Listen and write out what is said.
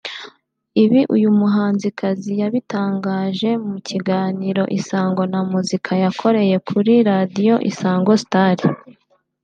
Ibi uyu muhanzikazi yabitangarije mu kiganiro Isango na muzika yakoreye kuri Radio Isango Star